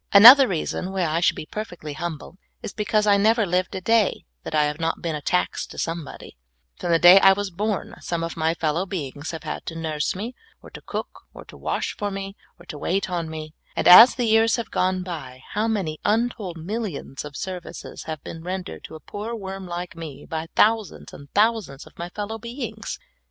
Another reason why I should be perfectly humble, is because I never lived a da} that I have not been a tax to somebod}^ From the da)' I was born some of my fellow beings have had to nurse me, or to cook, or to wash for me, or to wait on me ; and as the years have gone by, how many untold millions of services have been rendered to a poor worm like me by thou sands and thousands of my fellow beings